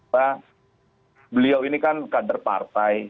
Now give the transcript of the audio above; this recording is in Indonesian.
bahwa beliau ini kan kader partai